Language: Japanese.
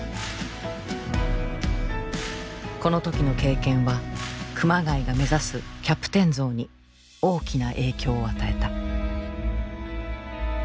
この時の経験は熊谷が目指すキャプテン像に大きな影響を与えた。